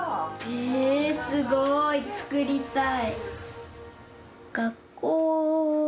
えすごい！作りたい。